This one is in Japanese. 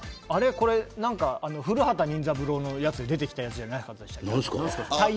これ古畑任三郎のやつで出てきたやつじゃないはずじゃ。